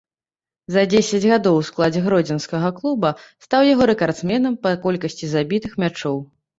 За дзесяць гадоў у складзе гродзенскага клуба стаў яго рэкардсменам па колькасці забітых мячоў.